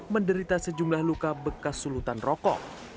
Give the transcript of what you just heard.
menderita sejumlah luka bekas sulutan rokok